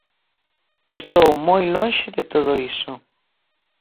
Estou moi lonxe de todo iso.